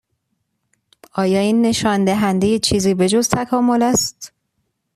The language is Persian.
ایا این نشان دهنده چیزی به جز تکامل است؟